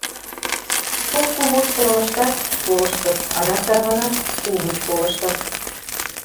Кок-кум ошкылым ыштат — колыштыт, адак тарванат, угыч колыштыт.